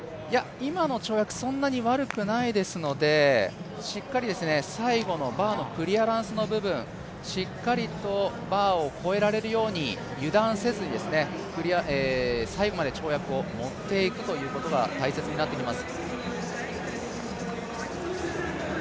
今の跳躍はそんなに悪くないですので、最後のバーのクリアランスの部分しっかりとバーを越えられるように油断せずに最後まで跳躍を持っていくということが大切になってきます。